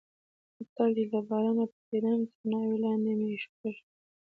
متل دی: له بارانه پټېدم تر ناوې لاندې مې شپه شوه.